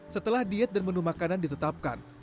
setelah diet dan menu makanan ditetapkan